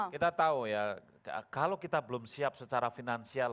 kita tahu ya kalau kita belum siap secara finansial